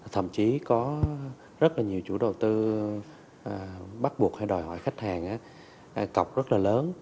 thậm chí có rất là nhiều chủ đầu tư bắt buộc hay đòi hỏi khách hàng cọc rất là lớn